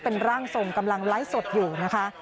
เป็นร่างทรงกำลังไลฟ์สดอยู่นะคะ